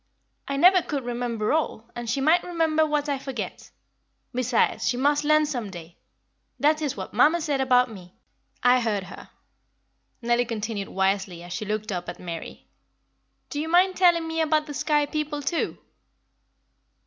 "I never could remember all, and she might remember what I forget. Besides, she must learn some day. That is what mamma said about me. I heard her," Nellie continued wisely, as she looked up at Mary. "Do you mind telling me about the sky people too?"